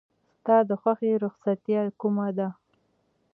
ستا د خوښې رخصتیا کومه ده؟